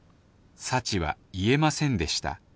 幸は言えませんでした。